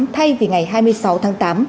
thay vì ngày hai mươi sáu tháng tám